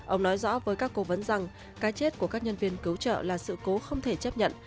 ông nói rõ với các cố vấn rằng cái chết của các nhân viên cứu trợ là sự cố không thể chấp nhận